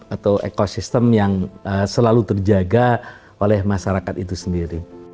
atau ekosistem yang selalu terjaga oleh masyarakat itu sendiri